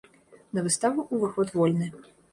На выставу ўваход вольны.